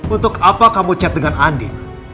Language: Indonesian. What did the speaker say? untuk apa kamu chat dengan andi